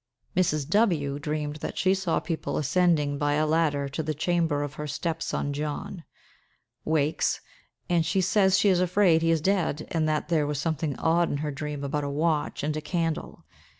Mrs. W—— dreamed that she saw people ascending by a ladder to the chamber of her step son John; wakes, and says she is afraid he is dead, and that there was something odd in her dream about a watch and a candle.